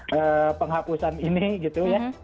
dalam penghapusan ini gitu ya